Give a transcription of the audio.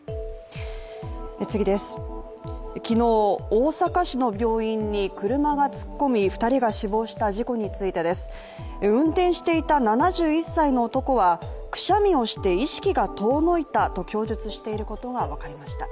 昨日、大阪市の病院に車が突っ込み２人が死亡した事故についてです。運転していた７１歳の男はくしゃみをして意識が遠のいたと供述していることが分かりました。